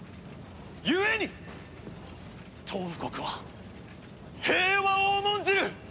故にトウフ国は平和を重んじる！